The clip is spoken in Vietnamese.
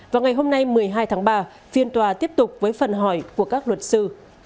vào ngày hôm nay một mươi hai tháng ba phiên tòa tiếp tục với phần hỏi của các luật sư